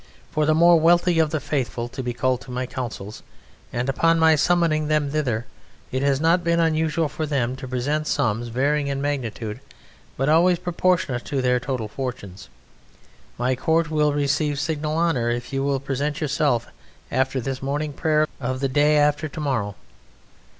for the more wealthy of the Faithful to be called to my councils, and upon my summoning them thither it has not been unusual for them to present sums varying in magnitude but always proportionate to their total fortunes. My court will receive signal honour if you will present yourself after the morning prayer of the day after to morrow.